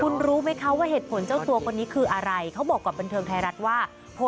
คุณรู้ไหมคะว่าเหตุผลเจ้าตัวคนนี้คืออะไรเขาบอกกับบันเทิงไทยรัฐว่า